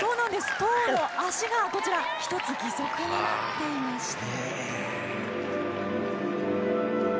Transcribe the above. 塔の足が１つ義足になっていました。